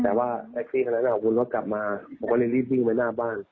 แต่ว่าตอนนั้นอาวุธก็กลับมาผมก็เรียบรีบยิงไปหน้าบ้าน